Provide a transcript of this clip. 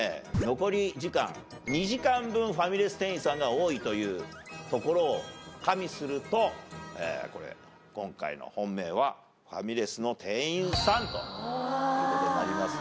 残り時間２時間分ファミレス店員さんが多いというところを加味するとこれ今回の本命はファミレスの店員さんという事になりますね。